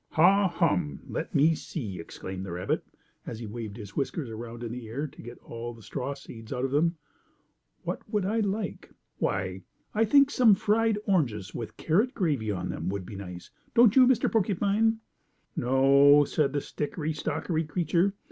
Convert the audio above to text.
"Ha, hum! Let me see," exclaimed the rabbit, as he waved his whiskers around in the air to get all the straw seeds out of them: "what would I like? Why, I think some fried oranges with carrot gravy on them would be nice, don't you, Mr. Porcupine?" "No," said the stickery stockery creature.